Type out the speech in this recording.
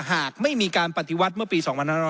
หากไม่มีการปฏิวัติเมื่อปี๒๕๖๐